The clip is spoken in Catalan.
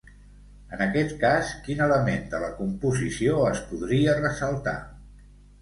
En aquest cas, quin element de la composició es podria ressaltar?